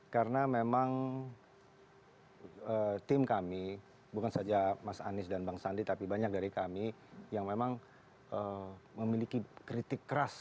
karena memang tim kami bukan saja mas anies dan bang sandi tapi banyak dari kami yang memang memiliki kritik keras